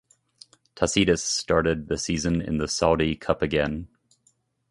Tacitus started the season in the Saudi Cup again.